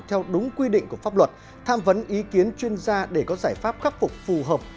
theo đúng quy định của pháp luật tham vấn ý kiến chuyên gia để có giải pháp khắc phục phù hợp